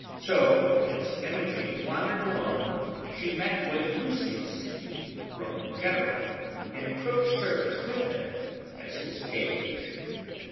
So as Imogen wan dered alone, she met with Lucius, the Roman General, and took service with him as his page.